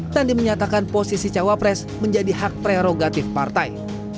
tandi menyatakan posisi cawapres menjadi hak prerogatif partai